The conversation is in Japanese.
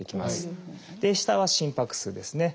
下は心拍数ですね。